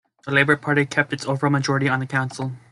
The Labour party kept its overall majority on the council.